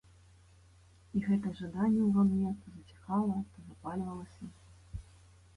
І гэтае жаданне ўва мне то заціхала, то запальвалася.